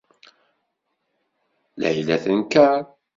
Layla tenker.